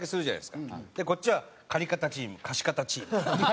こっちは借方チーム貸方チーム。